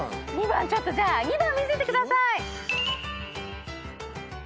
２番ちょっとじゃあ２番見せてください。